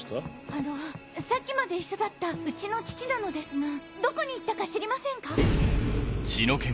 あのさっきまで一緒だったうちの父なのですがどこに行ったか知りませんか？